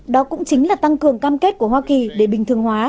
đó cũng chính là tăng cường cam kết của hoa kỳ để bình thường hóa